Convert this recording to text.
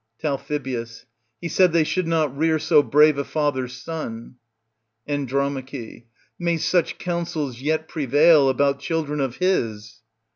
Tal. He said they should not rear so brave a father's son. And. May such counsels yet prevail about children of his!